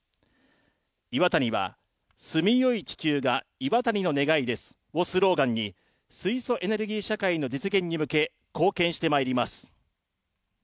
イワタニは、「住みよい地球がイワタニの願いです」をスローガンに水素エネルギー社会の実現に向け貢献してまいります。